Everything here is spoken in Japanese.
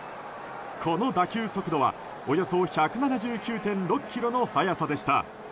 この打球速度はおよそ１７９．６キロの速さでした。